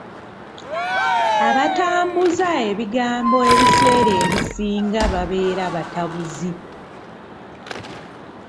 Abatambuza ebigambo ebiseera ebisinga babeera batabuzi.